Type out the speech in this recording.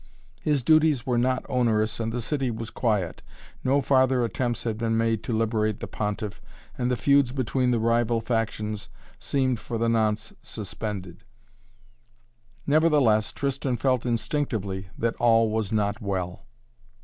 His duties were not onerous and the city was quiet. No farther attempts had been made to liberate the Pontiff and the feuds between the rival factions seemed for the nonce suspended. Nevertheless Tristan felt instinctively, that all was not well.